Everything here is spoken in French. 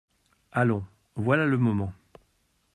Allons, voilà le moment !